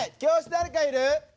誰かいる？